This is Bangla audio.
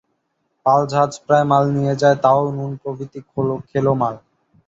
পাল-জাহাজ প্রায় মাল নিয়ে যায়, তাও নুন প্রভৃতি খেলো মাল।